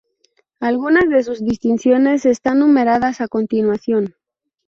Algunas de sus distinciones están numeradas a continuación